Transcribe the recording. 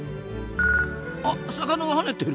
あっ魚が跳ねてる！